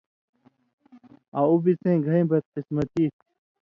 آں اُو بِڅَیں گھئیں بدقسمتی تھی